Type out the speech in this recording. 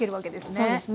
そうですね。